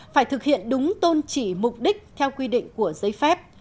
phải thực hiện đúng tôn trị mục đích theo quy định của giấy phép